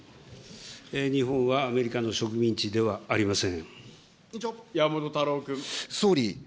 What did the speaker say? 日本はアメリカの植民地ではありません。